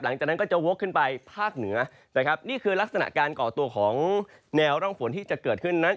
หลังจากนั้นก็จะวกขึ้นไปภาคเหนือนะครับนี่คือลักษณะการก่อตัวของแนวร่องฝนที่จะเกิดขึ้นนั้น